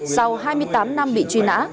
sau hai mươi tám năm bị truy nã